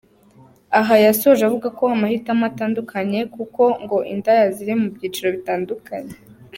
Aha yasoje avuga ko amahitamo atandukanye kuko ngo indaya ziri mu byiciro bitandukanye.